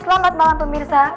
selamat malam pemirsa